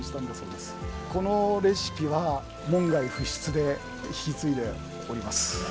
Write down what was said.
このレシピは門外不出で引き継いでおります。